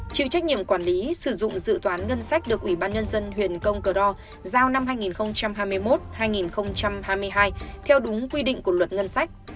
chịu trách nhiệm quản lý sử dụng dự toán ngân sách được ủy ban nhân dân huyện công cờ ro giao năm hai nghìn hai mươi một hai nghìn hai mươi hai theo đúng quy định của luật ngân sách